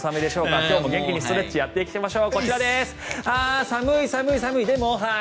今日も元気にストレッチやっていきましょう。